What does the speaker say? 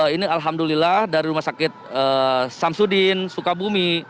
ini alhamdulillah dari rumah sakit samsudin sukabumi